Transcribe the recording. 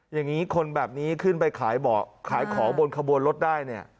อย่างนี้คนแบบนี้ขึ้นไปขายของบนขบวนรถได้